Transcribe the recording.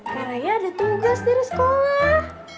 karaya ada tugas dari sekolah